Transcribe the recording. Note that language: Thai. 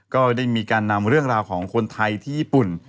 ก็ได้มีการนำเรื่องราวของคนไทยที่ญี่ปุ่น